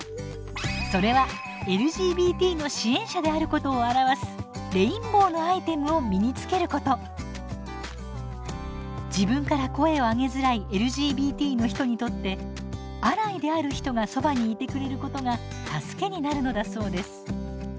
それはＬＧＢＴの支援者であることを表す自分から声をあげづらいＬＧＢＴの人にとってアライである人がそばにいてくれることが助けになるのだそうです。